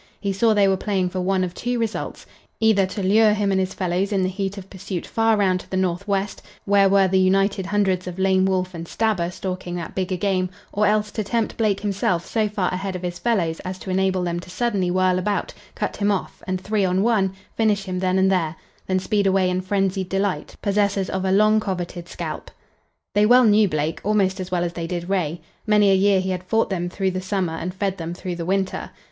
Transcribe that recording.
He saw they were playing for one of two results; either to lure him and his fellows in the heat of pursuit far round to the northwest, where were the united hundreds of Lame Wolf and Stabber stalking that bigger game, or else to tempt Blake himself so far ahead of his fellows as to enable them to suddenly whirl about, cut him off, and, three on one, finish him then and there; then speed away in frenzied delight, possessors of a long coveted scalp. They well knew Blake, almost as well as they did Ray. Many a year he had fought them through the summer and fed them through the winter.